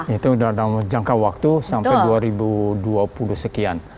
itu dalam jangka waktu sampai dua ribu dua puluh sekian